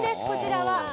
こちらは。